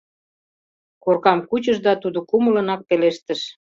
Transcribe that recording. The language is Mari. Коркам кучыш да тудо кумылынак пелештыш: